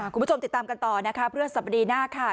คุณผู้ชมติดตามกันต่อนะคะเพื่อสัปดาห์หน้าค่ะ